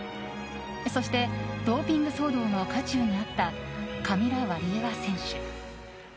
そしてドーピング騒動の渦中にあったカミラ・ワリエワ選手。